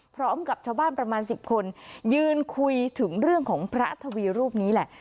พร้อมกับชาวบ้านประมาณ๑๐คนยืนคุยถึงเรื่องของพระทวีรูปนี้แหละ